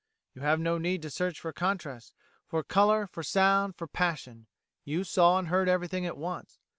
You have no need to search for contrasts, for colour, for sound, for passion: you saw and heard everything at once.